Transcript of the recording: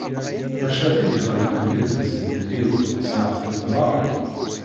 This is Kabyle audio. Maca, tid ixeddmen yid-s di lbiru ssneɣ-tent merra.